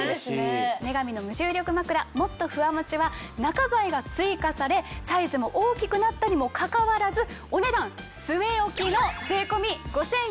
女神の無重力まくらＭｏｔｔｏＦｕｗａＭｏｃｈｉは中材が追加されサイズも大きくなったにもかかわらずお値段据え置きの。